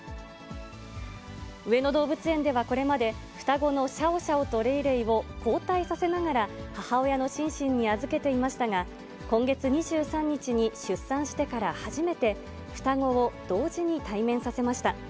上野動物園ではこれまで、双子のシャオシャオとレイレイを交代させながら母親のシンシンに預けていましたが、今月２３日に、出産してから初めて、双子を同時に対面させました。